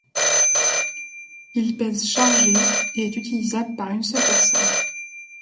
Il pèse chargé, et est utilisable par une seule personne.